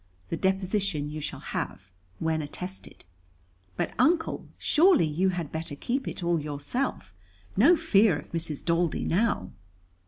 The deposition you shall have, when attested." "But, Uncle, surely you had better keep it all yourself. No fear of Mrs. Daldy now."